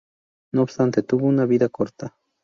No obstante, tuvo una vida corta.